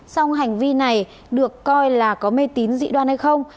song hành vi này được coi là có mê tín dị đoan hay không